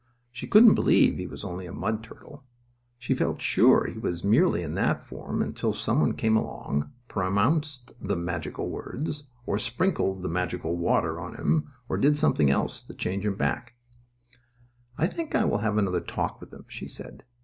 She couldn't believe he was only a mud turtle. She felt sure he was merely in that form until some one came along, pronounced the magical words, or sprinkled the magical water on him, or did something else, to change him back again. "I think I will have another talk with him," she said.